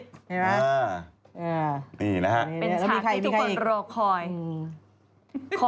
เห็นไหมนี่นะฮะเป็นฉากที่ทุกคนรอคอยเป็นใครอีก